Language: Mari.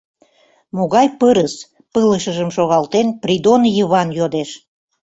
— Могай пырыс? — пылышыжым шогалтен, Придон Йыван йодеш.